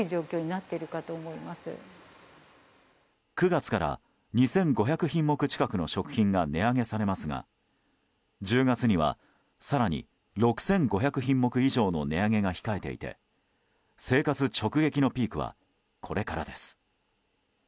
９月から２５００品目近くの食品が値上げされますが１０月には更に６５００品目以上の値上げが控えていて生活直撃のピークはこれからです。